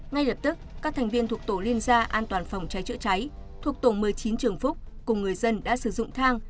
ngay lập tức các thành viên thuộc tổ liên gia an toàn phòng cháy chữa cháy thuộc tổng một mươi chín trường phúc cùng người dân đã sử dụng thang